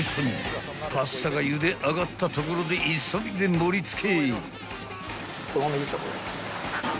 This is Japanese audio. ［パスタがゆで上がったところで急いで盛り付け］